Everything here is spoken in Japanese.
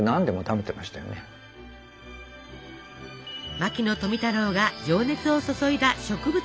牧野富太郎が情熱を注いだ植物への思い。